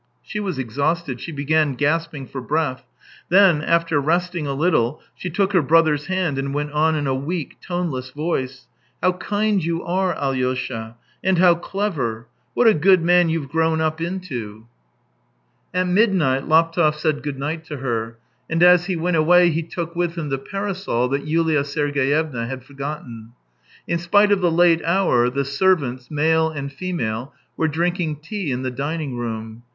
..." She was exhausted, she began gasping for breath. Then, after resting a little, she took her brother's hand and went on in a weak, toneless voice: " How kind you are, Alyosha !... And how clever !... What a good man you've grown up into !" THREE YEARS 187 At midnight Laptev said good night to her, and as he went away he took with him the parasol that Yuha Sergeyevna had forgotten. In spite of the late hour, the servants, male and female, were drinking tea in the dining room.